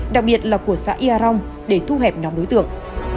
đặc biệt là của xã yà rong để thu hẹp nóng đối tượng